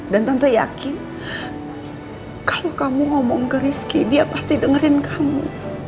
dan tante yakin kalo kamu ngomong ke rizky dia pasti dengerin kamu